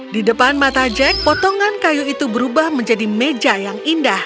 di depan mata jack potongan kayu itu berubah menjadi meja yang indah